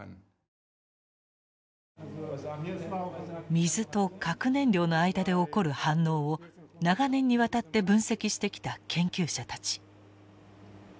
水と核燃料の間で起こる反応を長年にわたって分析してきた研究者たち。